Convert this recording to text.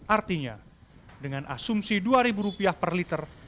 artinya dengan asumsi dua ribu rupiah per liter